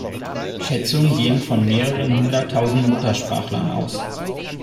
Schätzungen gehen von mehreren hunderttausend Muttersprachlern aus.